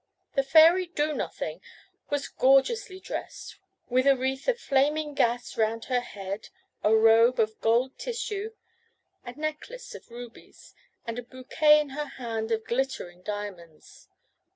The fairy Do nothing was gorgeously dressed with a wreath of flaming gas round her head, a robe of gold tissue, a necklace of rubies, and a bouquet in her hand of glittering diamonds.